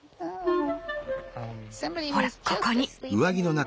ほらここに。